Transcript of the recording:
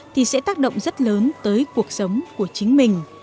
thì sẽ tác động rất lớn tới cuộc sống của chính mình